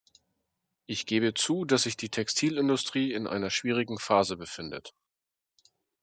Ich gebe zu, dass sich die Textilindustrie in einer schwierigen Phase befindet.